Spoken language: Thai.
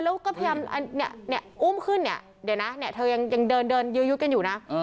แล้วก็พยายามอุ้มขึ้นเนี่ยเดี๋ยวนะเนี่ยเธอยังเดินยื้อยุดกันอยู่นะ